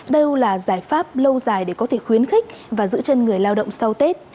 đây là giải pháp lâu dài để có thể khuyến khích và giữ chân người lao động sau tết